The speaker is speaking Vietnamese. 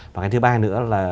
và cái thứ ba nữa là